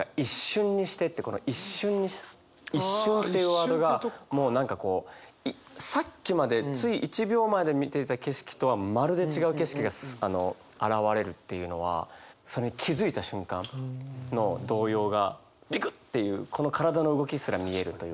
この「一瞬」「一瞬」っていうワードがもう何かこうさっきまでつい一秒前で見ていた景色とはまるで違う景色が現れるっていうのはそれに気付いた瞬間の動揺がビクッていうこの体の動きすら見えるというか。